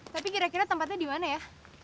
tapi kira kira tempatnya dimana ya